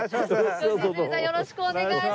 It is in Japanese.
よろしくお願いします。